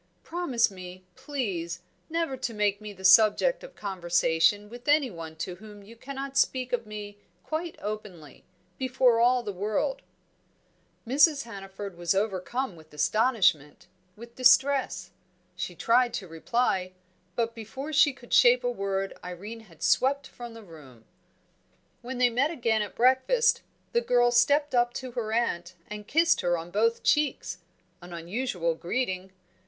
Promise me, please, never to make me the subject of conversation with anyone to whom you cannot speak of me quite openly, before all the world." Mrs. Hannaford was overcome with astonishment, with distress. She tried to reply, but before she could shape a word Irene had swept from the room. When they met again at breakfast, the girl stepped up to her aunt and kissed her on both cheeks an unusual greeting.